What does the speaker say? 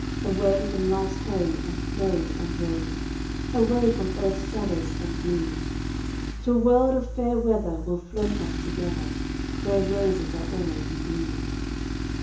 Away from life's hurry and flurry and worry, Away from earth's shadows and gloom, To a world of fair weather we'll float off together, Where roses are always in bloom.